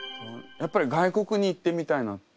やっぱり外国に行ってみたいなって。